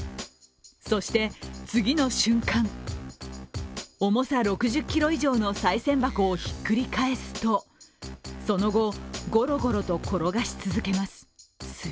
そして、次の瞬間、重さ６０ｋｇ以上のさい銭箱をひっくり返すと、その後、ゴロゴロと転がし続けます。